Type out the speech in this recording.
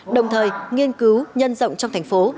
đồng thời nghiên cứu nhân rộng trong thành phố